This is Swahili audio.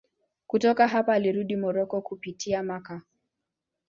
Kutoka hapa alirudi Moroko kupitia Makka.